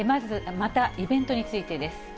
またイベントについてです。